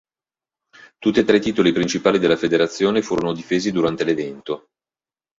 Tutti e tre i titoli principali della federazione furono difesi durante l'evento.